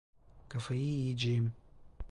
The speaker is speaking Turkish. Kafayı yiyeceğim.